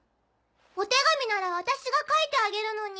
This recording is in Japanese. お手紙なら私が書いてあげるのに。